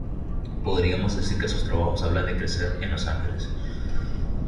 Podríamos decir que sus trabajos hablan de crecer en Los Ángeles.